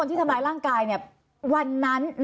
ต่อไปต่ออะไรคะท่าน